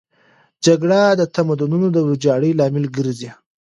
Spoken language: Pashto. جګړه د تمدنونو د ویجاړۍ لامل ګرځي.